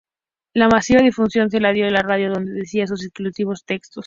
La masiva difusión se la dio la radio, donde decía sus incisivos textos.